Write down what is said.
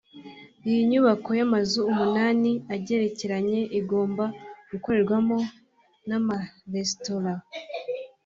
Iyi nyubako y’amazu umunani agerekeranye igomba gukorerwamo n’amaresitora